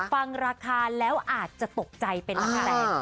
ฟังราคาแล้วอาจจะตกใจเป็นอะไร